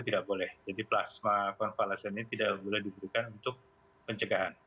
tidak boleh jadi plasma konvalesen ini tidak boleh diberikan untuk pencegahan